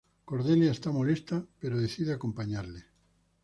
Cordelia está molesta pero decide acompañarle.